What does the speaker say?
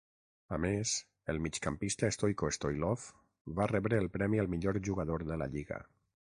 A més, el migcampista Stoycho Stoilov va rebre el premi al millor jugador de la Lliga.